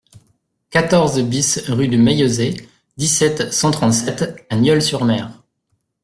quatorze BIS rue de Maillezais, dix-sept, cent trente-sept à Nieul-sur-Mer